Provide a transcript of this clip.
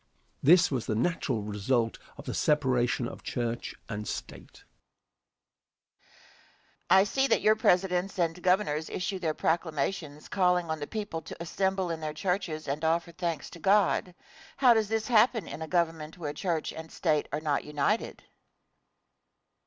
This was the natural result of the separation of church and state. Question. I see that your Presidents and Governors issue their proclamations calling on the people to assemble in their churches and offer thanks to God. How does this happen in a Government where church and state are not united?